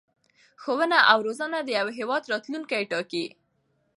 ښوونه او رزونه د یو هېواد راتلوونکی ټاکي.